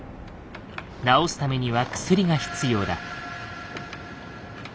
治すためには薬が必要だ。